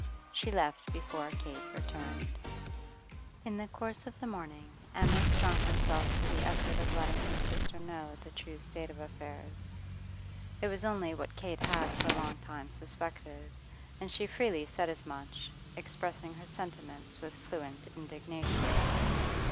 She left before Kate returned. In the course of the morning Emma strung herself to the effort of letting her sister know the true state of affairs. It was only what Kate had for a long time suspected, and she freely said as much, expressing her sentiments with fluent indignation.